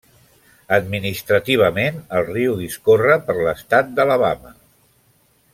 Administrativament, el riu discorre per l'estat d'Alabama.